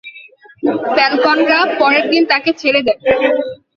ফ্যালকনরা পরের দিন তাকে ছেড়ে দেয়।